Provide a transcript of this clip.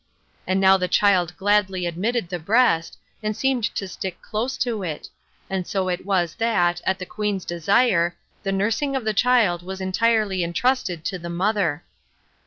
And now the child gladly admitted the breast, and seemed to stick close to it; and so it was, that, at the queen's desire, the nursing of the child was entirely intrusted to the mother.